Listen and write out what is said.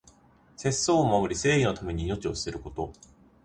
節操を守り、正義のために命を捨てること。